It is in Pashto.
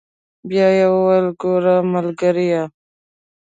بيا يې وويل ګوره ملګريه.